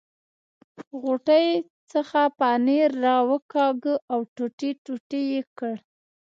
غوټې څخه پنیر را وکاږه او ټوټې ټوټې یې کړ.